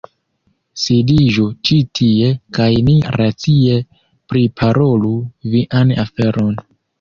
Sidiĝu ĉi tie, kaj ni racie priparolu vian aferon.